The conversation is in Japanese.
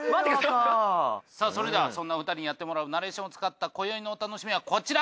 さあそれではそんなお二人にやってもらうナレーションを使った今宵のお愉しみはこちら。